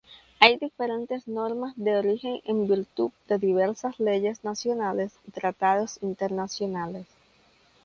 Hay diferentes normas de origen en virtud de diversas leyes nacionales y tratados internacionales.